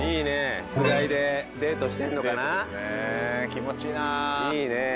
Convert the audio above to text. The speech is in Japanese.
気持ちいいないいねえ